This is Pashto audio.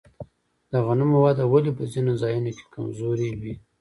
د غنمو وده ولې په ځینو ځایونو کې کمزورې وي؟